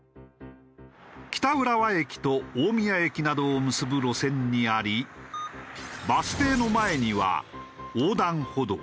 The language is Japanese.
北浦和駅と大宮駅などを結ぶ路線にありバス停の前には横断歩道。